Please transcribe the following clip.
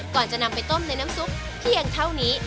ก่อนจะนำไปต้มในน้ำซุปเพียงเท่านี้